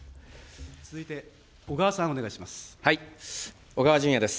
続いて小川さん、お願いします。